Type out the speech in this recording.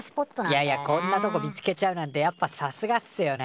いやいやこんなとこ見つけちゃうなんてやっぱさすがっすよね。